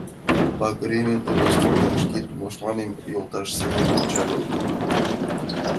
Пагаремым темышым да шке тушманемым йолташ семын ончальым.